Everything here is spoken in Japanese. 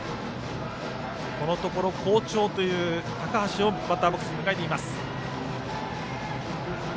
このところ好調という高橋をバッターボックスに迎えています。